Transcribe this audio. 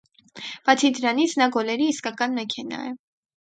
Բացի դրանից նա գոլերի իսկական «մեքենա» է։